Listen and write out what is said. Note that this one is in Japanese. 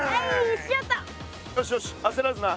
よしよしあせらずな。